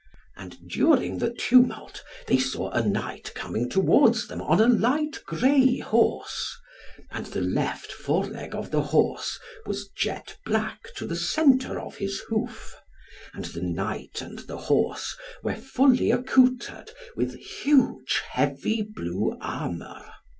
And during the tumult they saw a knight coming towards them on a light grey horse, and the left foreleg of the horse was jet black to the centre of his hoof. And the knight and the horse were fully accoutred with huge heavy blue armour.